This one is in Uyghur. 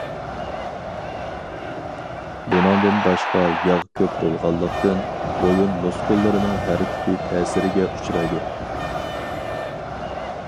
بۇنىڭدىن باشقا ياغ كۆپ بولغانلىقتىن، بويۇن مۇسكۇللىرىنىڭ ھەرىكىتى تەسىرىگە ئۇچرايدۇ.